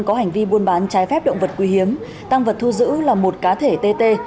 có hành vi buôn bán trái phép động vật quý hiếm tang vật thu giữ là một cá thể tê tê